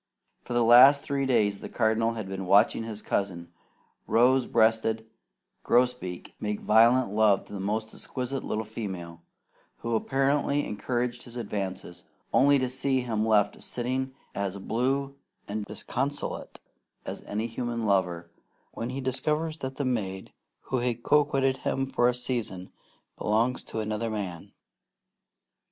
For the last three days the Cardinal had been watching his cousin, rose breasted Grosbeak, make violent love to the most exquisite little female, who apparently encouraged his advances, only to see him left sitting as blue and disconsolate as any human lover, when he discovers that the maid who has coquetted with him for a season belongs to another man.